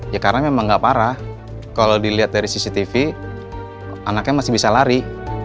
ya karena memang nggak parah kalau dilihat dari cctv anaknya masih bisa lari